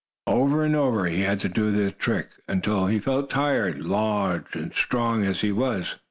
Over and over he had to do the trick, until he felt tired, large and strong as he was.